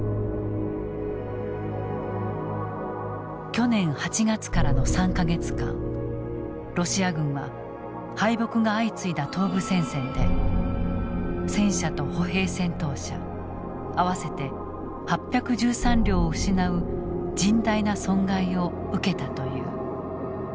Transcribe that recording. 去年８月からの３か月間ロシア軍は敗北が相次いだ東部戦線で戦車と歩兵戦闘車合わせて８１３両を失う甚大な損害を受けたという。